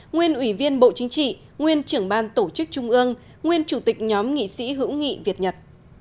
nguyên ủy viên bộ chính trị nguyên trưởng ban tổ chức trung ương nguyên chủ tịch nhóm nghị sĩ hữu nghị việt nhật